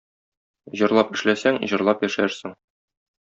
Җырлап эшләсәң, җырлап яшәрсең.